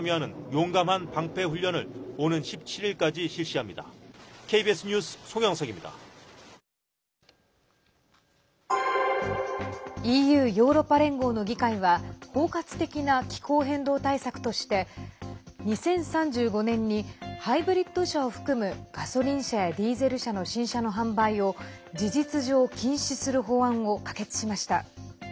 ＥＵ＝ヨーロッパ連合の議会は包括的な気候変動対策として２０３５年にハイブリッド車を含むガソリン車やディーゼル車の新車の販売を事実上禁止する法案を可決しました。